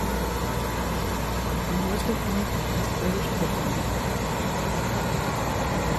In later life he was a British diplomat.